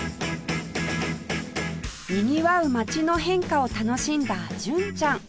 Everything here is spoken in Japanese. にぎわう街の変化を楽しんだ純ちゃん